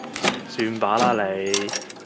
算罷啦你